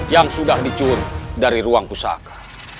yang sudah dicuri dari ruang pusaka